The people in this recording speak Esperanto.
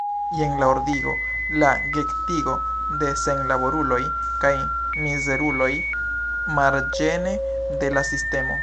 Jen la ordigo, la gettigo de senlaboruloj kaj mizeruloj marĝene de la sistemo.